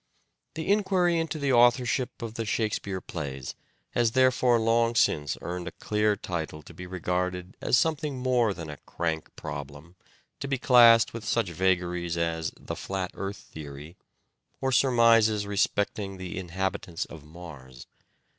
The inquiry into the authorship of the Shakespeare plays has therefore long since earned a clear title to be regarded as something more than a crank problem to be classed with such vagaries as the " flat earth theory " or surmises respecting the " inhabitants of Mars."